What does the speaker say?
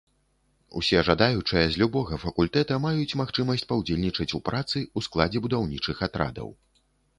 Усе жадаючыя з любога факультэта маюць магчымасць паўдзельнічаць у працы ў складзе будаўнічых атрадаў.